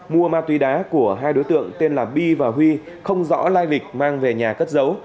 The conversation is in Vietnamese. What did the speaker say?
mua ma túy đá của hai đối tượng tên là bi và huy không rõ lai lịch mang về nhà cất giấu